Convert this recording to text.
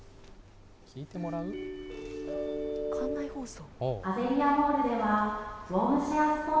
館内放送？